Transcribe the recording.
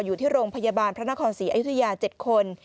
อยู่ที่โรงพยาบาลพระนครศรีอยุธยา๗คน